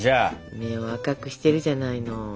目を赤くしてるじゃないの。